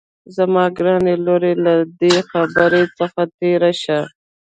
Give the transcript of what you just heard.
زما ګرانې لورې له دې خبرې څخه تېره شه